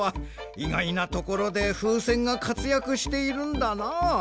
いがいなところでふうせんがかつやくしているんだな。